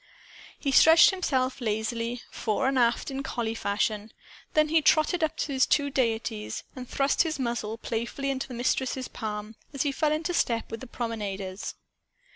He stretched himself lazily, fore and aft, in collie fashion. Then he trotted up to his two deities and thrust his muzzle playfully into the Mistress's palm, as he fell into step with the promenaders.